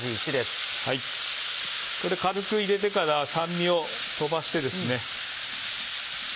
これ軽く入れてから酸味を飛ばしてですね。